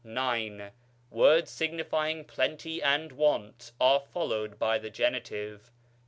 IX. Words signifying plenty and want are followed by the genitive.